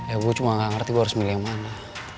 ya gue cuma gak ngerti gue harus milih yang mana